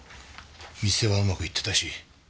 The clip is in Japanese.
店はうまくいってたし。